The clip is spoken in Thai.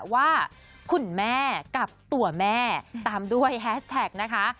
ว่าคุณแม่กับตัวแม่ตามด้วยแฮชแท็กนะคะ